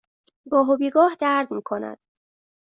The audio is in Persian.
گاه و بیگاه درد می کند.